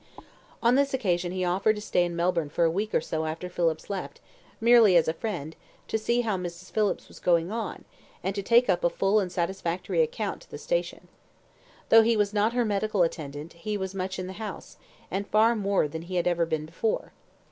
On this occasion he offered to stay in Melbourne for a week or so after Phillips left, merely as a friend, to see how Mrs. Phillips was going on, and to take up a full and satisfactory account to the station. Though he was not her medical attendant, he was as much in the house, and far more than he had ever been before.